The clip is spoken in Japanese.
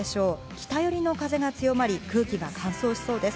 北寄りの風が強まり、空気が乾燥しそうです。